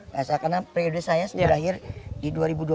karena periode saya berakhir di dua ribu dua puluh dua